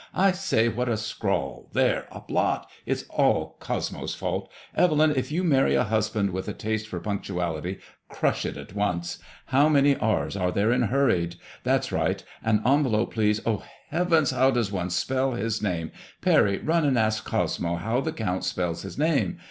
I say I what a scrawl 1 There ! A blot ! It's all Cosmo's fault. Evelyn, if you marry a husband with a taste for punctuality, crush it at once. How many r's are there in hurried? That's right. An envelope, please. Oh heavens I how does one spell his name? Parry, run and ask Cosmo how the Count spells his name.